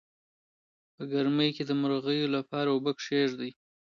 په ګرمۍ کې د مرغیو لپاره اوبه کیږدئ.